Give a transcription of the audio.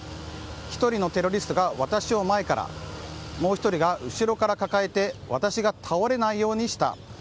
１人のテロリストが私を前からもう１人が後ろから抱えて私が倒れないようにした。